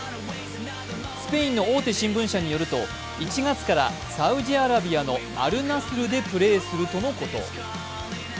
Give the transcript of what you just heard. スペインの大手新聞社によると１月からサウジアラビアのアル・ナスルでプレーするとのこと。